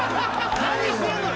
何してんのよ？